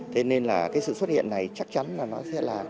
thế nên là cái sự xuất hiện này chắc chắn là nó sẽ làm